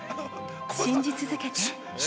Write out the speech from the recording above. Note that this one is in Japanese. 信じ続けて。